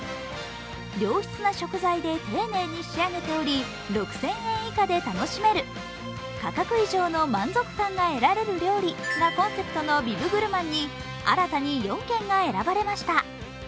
良質な食材で丁寧に仕上げており６０００円以下で楽しめる、価格以上の満足感が得られる料理がコンセプトのビブグルマンに新たに４軒が選ばれました。